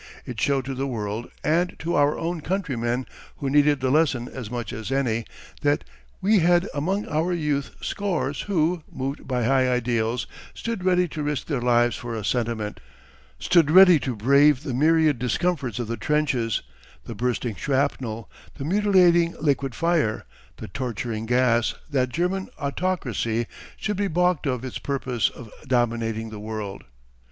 It showed to the world and to our own countrymen who needed the lesson as much as any that we had among our youth scores who, moved by high ideals, stood ready to risk their lives for a sentiment stood ready to brave the myriad discomforts of the trenches, the bursting shrapnel, the mutilating liquid fire, the torturing gas that German autocracy should be balked of its purpose of dominating the world.